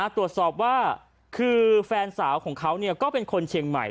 ตรวจสอบว่าคือแฟนสาวของเขาก็เป็นคนเชียงใหม่